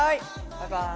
バイバイ！